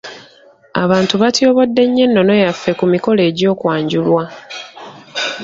Abantu batyobodde nnyo ennono yaffe ku mikolo egy'okwanjulwa.